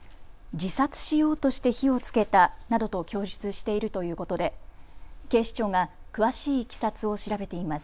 自殺しようとして火をつけたなどと供述しているということで警視庁が詳しいいきさつを調べています。